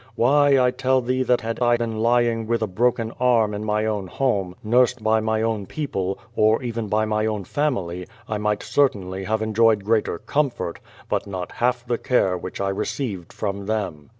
Why, I tell thee, that had I been lying with 222 Q^^ VADIS, a broken arm in my own liomc, nursed by my own people, or even by my own family, I might certainly have enjoyed greater comfort, but not half the care which I received from them.